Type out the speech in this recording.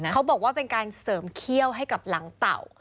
เขาบอกว่าเป็นการเสริมเขี้ยวให้กับหลังเต่า